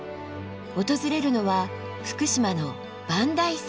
訪れるのは福島の磐梯山。